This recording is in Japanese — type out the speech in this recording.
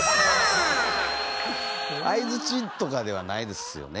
相づちとかではないですよね。